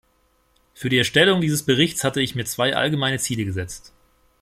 Für die Erstellung dieses Berichts hatte ich mir zwei allgemeine Ziele gesetzt.